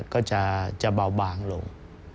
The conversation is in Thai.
ก็จะเบาบางลง